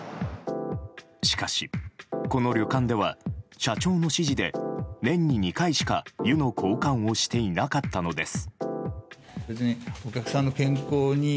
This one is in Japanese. しかし、この旅館では社長の指示で年に２回しか湯の交換をしてなかったのです。